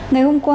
ngày hôm qua